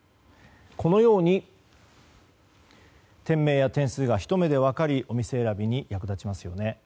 このように店名や点数がひと目で分かりお店選びに役立ちますよね。